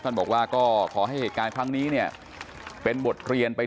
บอกว่าก็ขอให้เหตุการณ์ครั้งนี้เนี่ยเป็นบทเรียนไป